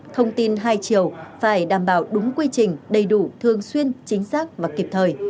thông tin hai chiều phải đảm bảo đúng quy trình đầy đủ thường xuyên chính xác và kịp thời